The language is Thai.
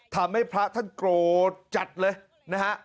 ทำให้พระท่านโกรธจัดเลยนะฮะ